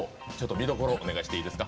見どころをお願いしていいですか。